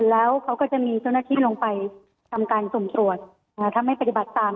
แล้วเขาก็จะมีเจ้าหน้าที่ลงไปทำการสุ่มตรวจถ้าไม่ปฏิบัติตาม